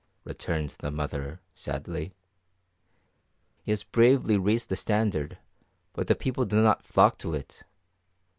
returned the mother sadly. "He has bravely raised the standard, but the people do not flock to it.